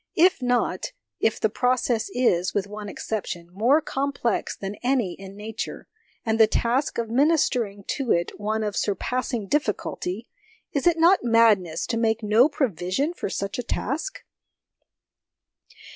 If not if the process is, with one exception, more complex than any in Nature, and the task of ministering to it one of surpassing difficulty is it not madness to make no provision for such a task